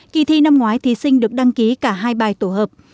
kỳ thi năm ngoái thí sinh được đăng ký cả hai bài tổ hợp